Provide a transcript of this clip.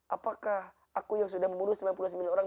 apakah aku yang sudah membunuh sembilan puluh sembilan orang